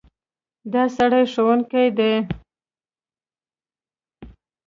دا سړی ښوونکی دی.